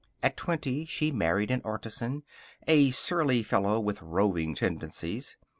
At twenty, she married an artisan, a surly fellow with roving tendencies.